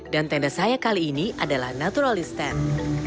dan tenda saya kali ini adalah naturalist tent